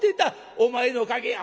お前のおかげや。